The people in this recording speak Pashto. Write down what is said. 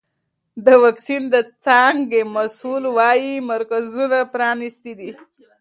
د واکسین د څانګې مسؤل وایي مرکزونه پرانیستي دي.